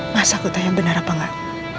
masa kutah yang benar apa enggak